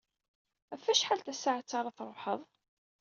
Ɣef wacḥal tasaɛet ara tṛuḥeḍ?